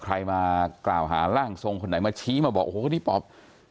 ใครมากล่าวหาร่างทรงคนไหนมาชี้มาบอกโอ้โหคนนี้ป๊อป